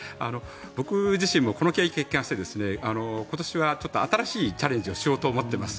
僕自身もこの経験を生かして今年は新しいチャレンジをしようと思っています。